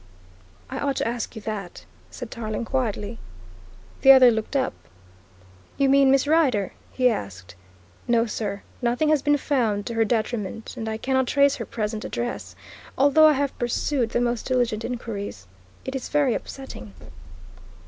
"I ought to ask you that," said Tarling quietly. The other looked up. "You mean Miss Rider?" he asked. "No, sir, nothing has been found to her detriment and I cannot trace her present address, although I have pursued the most diligent inquiries. It is very upsetting."